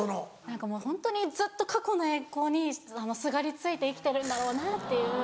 何かもうホントにずっと過去の栄光にすがりついて生きてるんだろうなっていう。